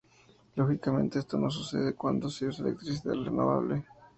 Lógicamente, esto no sucede cuando se usa electricidad renovable.